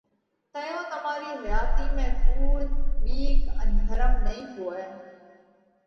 تئيون تمارِي حياتِي ۾ ڪُوڙ، ٻِيڪ ان ڀرم نئين هوئہ،